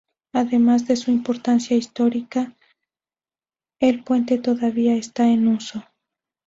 Además de su importancia histórica, el puente todavía está en uso.